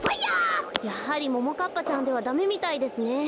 やはりももかっぱちゃんではダメみたいですね。